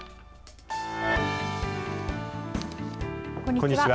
こんにちは。